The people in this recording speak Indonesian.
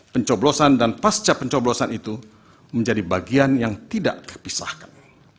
pencoblosan dan pasca pencoblosan itu menjadi bagian yang tidak terpisahkan